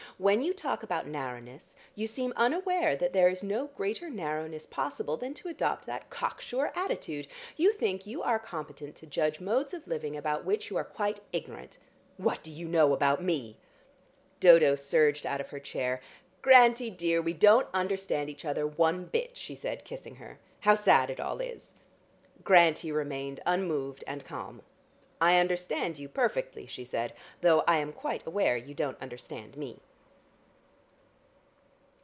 When you talk about narrowness, you seem unaware that there is no greater narrowness possible than to adopt that cocksure attitude. You think you are competent to judge modes of living about which you are quite ignorant. What do you know about me?" Dodo surged out of her chair. "Grantie dear, we don't understand each other one bit," she said, kissing her. "How sad it all is!" Grantie remained unmoved and calm. "I understand you perfectly," she said. "Though I am quite aware you don't understand me."